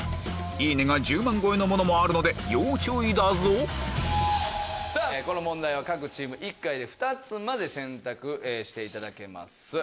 いいねが１０万超えのものもあるので要注意だぞこの問題は各チーム１回で２つまで選択していただけます。